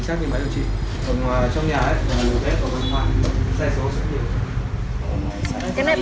còn trong nhà thì gz ở bên ngoài